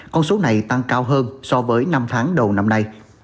con số này tăng cao hơn so với năm tháng đầu năm nay